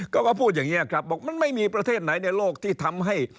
เขาก็พูดอย่างนี้ครับบอกมันไม่มีประเทศไหนในโลกที่ทำให้